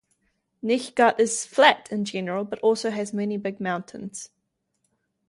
Nichghat is flat in general but also has many big mountains.